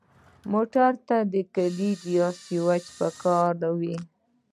موټر ته کلید یا سوئچ پکار وي.